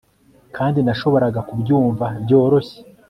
kandi nashoboraga kubyumva byoroshye